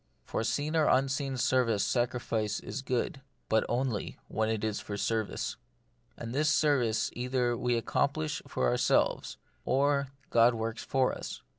For seen or unseen service sacri fice is good, but only when it is for service. And this service either we accomplish for ourselves, or God works for us.